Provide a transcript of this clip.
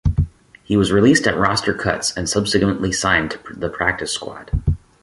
He was released at roster cuts and subsequently signed to the practice squad.